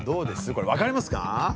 これわかりますか？